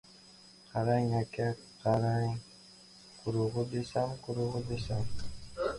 Qarang, oka! Qarang! «Qurug’i» desam... «Qurug‘i» desam...